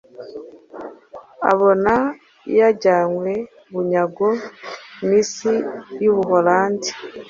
abona yajyanywe bunyago mu Isi yUbuholandi